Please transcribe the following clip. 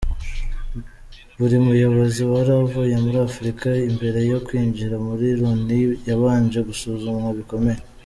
Buri muyobozi wari uvuye muri Afurika mbere yo kwinjira muri Loni yabanje gusuzumwa bikomeye.